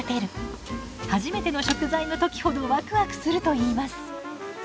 初めての食材の時ほどワクワクするといいます。